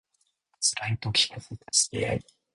辛い時こそ助け合い